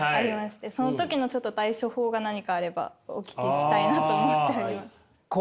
その時のちょっと対処法が何かあればお聞きしたいなと思っております。